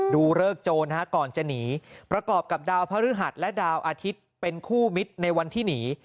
เลิกโจรก่อนจะหนีประกอบกับดาวพระฤหัสและดาวอาทิตย์เป็นคู่มิตรในวันที่หนี